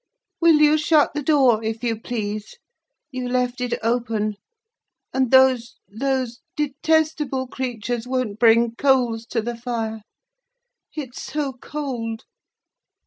"Will you shut the door, if you please? you left it open; and those—those detestable creatures won't bring coals to the fire. It's so cold!"